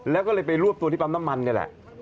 แล้วก็เลยไปรวบตัวที่ปั๊มน้ำมันนี่แหละ